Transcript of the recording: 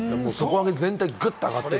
全体がぐっと上がってる。